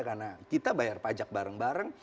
karena kita bayar pajak bareng bareng